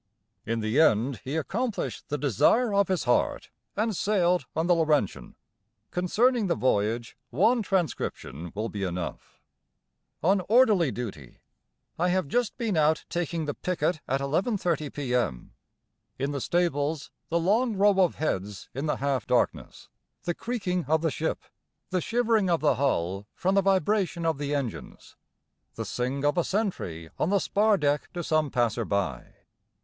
In the end he accomplished the desire of his heart, and sailed on the 'Laurentian'. Concerning the voyage one transcription will be enough: On orderly duty. I have just been out taking the picket at 11.30 P.M. In the stables the long row of heads in the half darkness, the creaking of the ship, the shivering of the hull from the vibration of the engines, the sing of a sentry on the spar deck to some passer by.